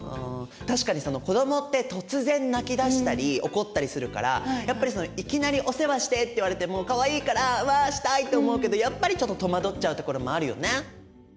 確かにその子どもって突然泣きだしたり怒ったりするからやっぱりそのいきなり「お世話して！」って言われてもかわいいから「わしたい！」って思うけどやっぱりちょっと戸惑っちゃうところもあるよね。